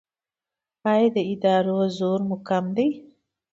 ایا د ادرار زور مو کم دی؟